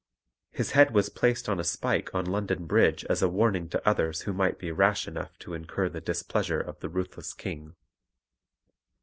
His head was placed on a spike on London Bridge as a warning to others who might be rash enough to incur the displeasure of the ruthless King.